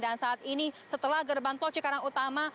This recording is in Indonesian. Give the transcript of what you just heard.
dan saat ini setelah gerbang tol cikarang utama